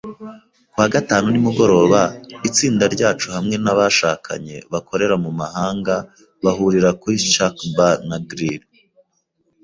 Ku wa gatanu nimugoroba, itsinda ryacu hamwe n’abashakanye bakorera mu mahanga bahurira kuri Chuck's Bar na Grill.